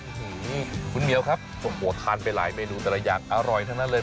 คุณเมียวครับโอ้โหทานไปหลายเมนูแต่ละอย่างอร่อยทั้งนั้นเลย